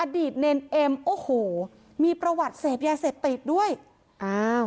เนรเอ็มโอ้โหมีประวัติเสพยาเสพติดด้วยอ้าว